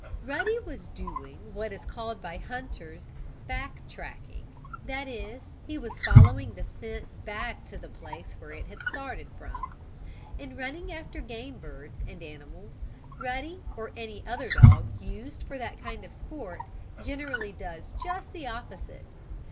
Ruddy was doing what is called, by hunters, "back tracking." That is he was following the scent back to the place where it had started from. In running after game birds, and animals, Ruddy, or any other dog used for that kind of sport, generally does just the opposite.